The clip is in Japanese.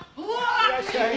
いらっしゃい。